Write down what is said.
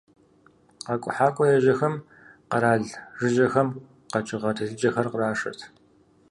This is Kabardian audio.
Къэкӏухьакӏуэ ежьэхэм къэрал жыжьэхэм къэкӏыгъэ телъыджэхэр кърашырт.